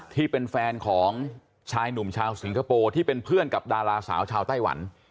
ที่เป็นแฟนของชายหนุ่มชาวสิงคโปร์ที่เป็นเพื่อนกับดาราสาวชาวไต้หวัน